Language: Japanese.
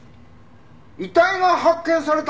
遺体が発見された！？